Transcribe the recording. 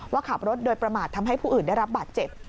ว่าขับรถโดยประมาททำให้ผู้อื่นได้รับบาดเจ็บ